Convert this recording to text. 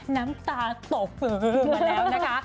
น้ำตาตกมาแล้วนะฮะ